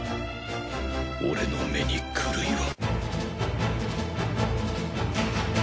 俺の目に狂いは。